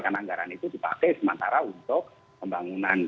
karena anggaran itu dipakai sementara untuk pembangunan